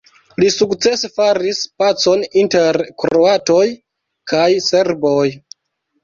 Li sukcese faris pacon inter kroatoj kaj serboj.